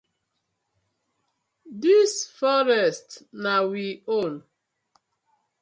Dis forest na we own.